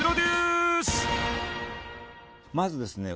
まずですね